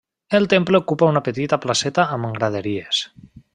El temple ocupa una petita placeta amb graderies.